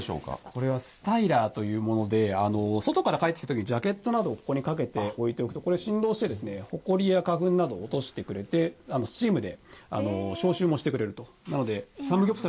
これはスタイラーというもので、外から帰ってきたときに、ジャケットなどかけて置いておくと、これ振動して、ほこりや花粉などを落としてくれて、スチームで消臭もしてくれると。